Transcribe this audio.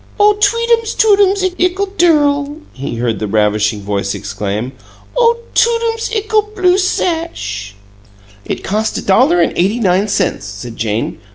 "Oh, tweetums tootums ickle dirl!" he heard the ravishing voice exclaim. "Oh, tootums ickle blue sash!" "It cost a dollar and eighty nine cents," said Jane.